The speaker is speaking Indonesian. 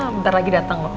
bentar lagi datang loh